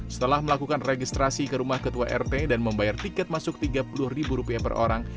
setelah melakukan registrasi ke rumah ketua rt dan membayar tiket masuk rp tiga puluh ribu rupiah per orang